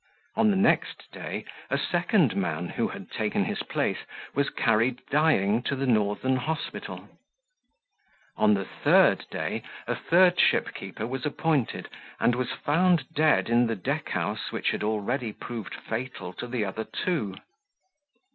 On the next day a second man, who had taken his place, was carried dying to the Northern Hospital. On the third day a third ship keeper was appointed, and was found dead in the deck house which had already proved fatal to the other two.